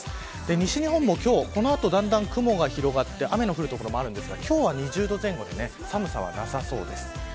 西日本も今日この後、雲が広がって雨が降る所もありますが２０度前後で寒さはなさそうです。